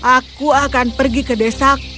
aku akan pergi ke desa